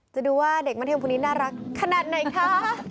จะดูว่าเด็กมัธยมคนนี้น่ารักขนาดไหนคะ